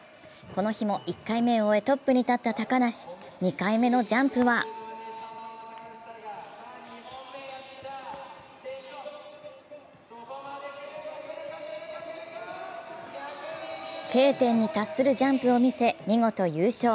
この日も１回目を終え、トップに立った高梨、２回目のジャンプはＫ点に達するジャンプを見せ、見事優勝。